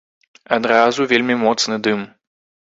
Адразу вельмі моцны дым.